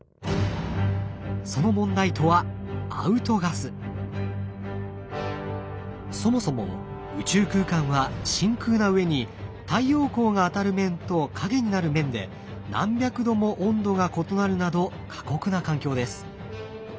その問題とはそもそも宇宙空間は真空なうえに太陽光が当たる面と陰になる面で何百度も温度が異なるなど過酷な環境です。